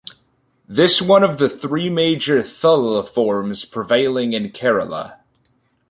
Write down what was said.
This one of the three major "thullal" forms prevailing in Kerala.